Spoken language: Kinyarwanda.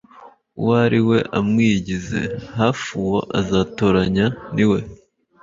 uwo ari we amwiyigize hafi uwo azatoranya ni we